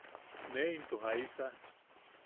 ¿Ne into jaisa?